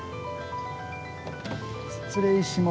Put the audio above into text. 失礼します。